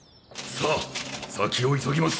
さあ先を急ぎます。